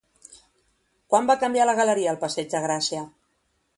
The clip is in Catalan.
Quan va canviar la galeria al passeig de Gràcia?